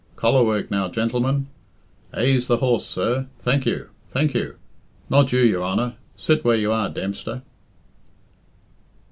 Collar work now, gentlemen. Aise the horse, sir. Thank you! Thank you! Not you, your Honour sit where you are, Dempster."